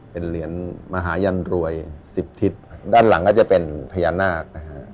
เป็นเหรียญมหายันรวยสิบทิศด้านหลังก็จะเป็นพญานาคนะฮะ